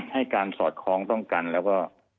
ให้การสอดคล้องต้องกันแล้วก็